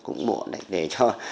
cũng buộn đấy để cho